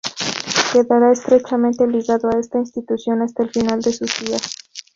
Quedará estrechamente ligado a esta institución hasta el final de sus días.